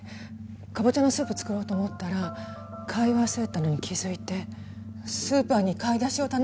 カボチャのスープ作ろうと思ったら買い忘れてたのに気づいてスーパーに買い出しを頼んじゃったんです。